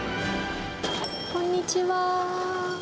こんにちは。